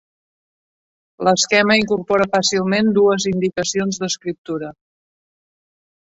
L'esquema incorpora fàcilment dues indicacions d'escriptura.